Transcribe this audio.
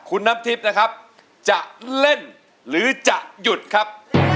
คุณน้ำทิพย์นะครับจะเล่นหรือจะหยุดครับ